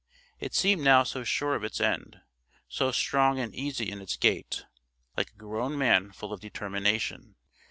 It seemed now so sure of its end, so strong and easy in its gait, like a grown man full of determination.